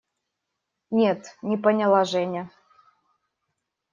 – Нет, – не поняла Женя.